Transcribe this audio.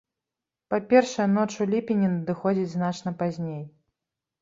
Па-першае, ноч у ліпені надыходзіць значна пазней.